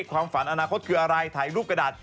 ความฝันอนาคตคืออะไรถ่ายรูปกระดาษ